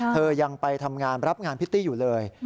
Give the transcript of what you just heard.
เธอยังไปทำงานรับงานพริตตี้อยู่เลย